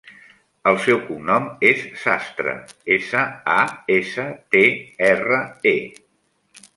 El seu cognom és Sastre: essa, a, essa, te, erra, e.